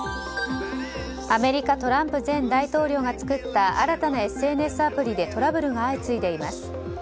アメリカトランプ前大統領が作った新たなＳＮＳアプリでトラブルが相次いでいます。